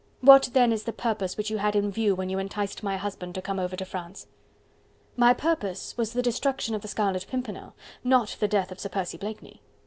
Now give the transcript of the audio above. What then is the purpose which you had in view when you enticed my husband to come over to France?" "My purpose was the destruction of the Scarlet Pimpernel, not the death of Sir Percy Blakeney.